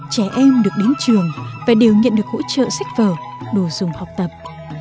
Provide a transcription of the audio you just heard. trẻ em được đến trường và đều nhận được hỗ trợ sách vở đồ dùng học tập